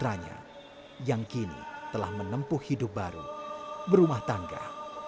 putranya yang kini telah menempuh hidup baru berumah tangga